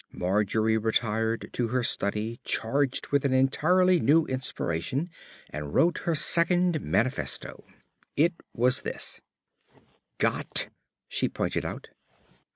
Margery retired to her study charged with an entirely new inspiration, and wrote her second manifesto. It was this: G O T "Got," she pointed out.